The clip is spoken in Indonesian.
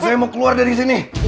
saya mau keluar dari sini